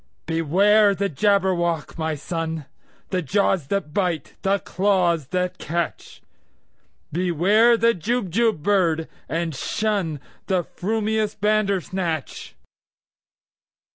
"Beware the Jabberwock, my son! The jaws that bite, the claws that catch! Beware the Jubjub bird, and shunThe frumious Bandersnatch!"